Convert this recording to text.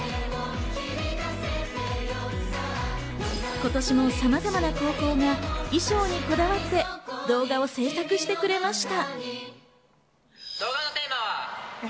今年もさまざまな高校が衣装にこだわって動画を制作してくれました。